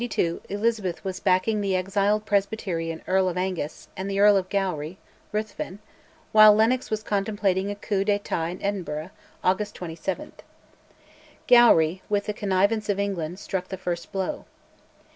In 1582 Elizabeth was backing the exiled Presbyterian Earl of Angus and the Earl of Gowrie (Ruthven), while Lennox was contemplating a coup d'etat in Edinburgh (August 27). Gowrie, with the connivance of England, struck the first blow.